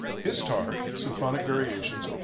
"ISTAR," SYMPHONIC VARIATIONS: Op.